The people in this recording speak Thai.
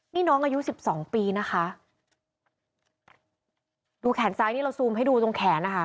นี่น้องอายุสิบสองปีนะคะดูแขนซ้ายนี่เราซูมให้ดูตรงแขนนะคะ